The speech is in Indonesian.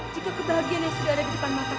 jika kebahagiaan yang sudah ada di depan mataku hilang